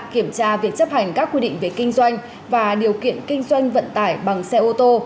kiểm tra việc chấp hành các quy định về kinh doanh và điều kiện kinh doanh vận tải bằng xe ô tô